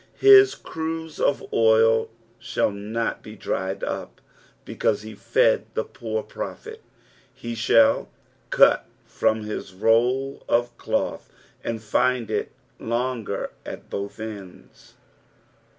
His cruse of oil shall not be dried up because he fed the poor prophet. He shall cut from his ndl of cloth and find it longer at both ends.